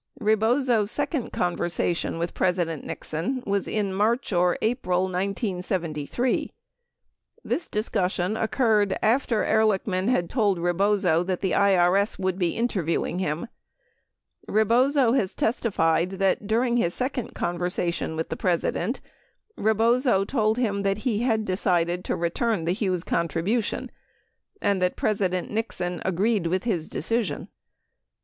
17 Rebozo's second conversation with President Nixon was in March or April 1973. This discussion occurred after Ehrlichman had told Re bozo that the IRS would be interviewing him. Rebozo has testified that during his second conversation with the President, Rebozo told him that he had decided to return the Hughes contribution and that Presi dent Nixon agreed with his decision.